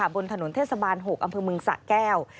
บนถนนเทศบาล๖อำเภอเมืองสะแก้ว